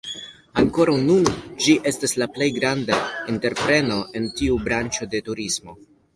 Ankoraŭ nun ĝi estas la plej granda entrepreno en tiu branĉo de turismo.